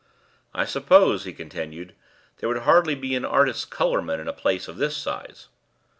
"I suppose," he continued, "there would hardly be an artist's colourman in a place of this size?"